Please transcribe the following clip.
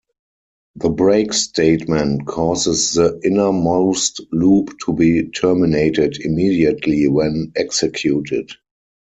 The break statement causes the inner-most loop to be terminated immediately when executed.